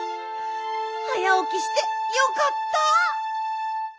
早おきしてよかった！